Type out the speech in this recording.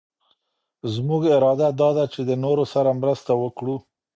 زمونږ اراده دا ده چي د نورو سره مرسته وکړو.